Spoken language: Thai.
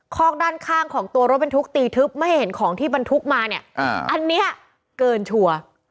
คอกด้านข้างของตัวรถบรรทุกตีทึบไม่ให้เห็นของที่บรรทุกมาเนี่ยอันนี้เกินชัวร์